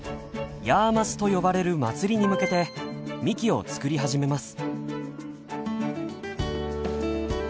ヤーマスと呼ばれる祭りに向けてみきを作り始めます。